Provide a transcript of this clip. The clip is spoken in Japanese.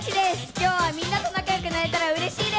今日はみんなと仲よくなれたらうれしいです。